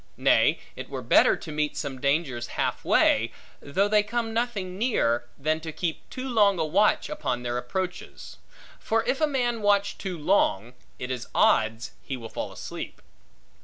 Nay, it were better, to meet some dangers half way, though they come nothing near, than to keep too long a watch upon their approaches; for if a man watch too long, it is odds he will fall asleep.